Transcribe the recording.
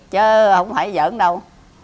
chứ không phải giỡn đâu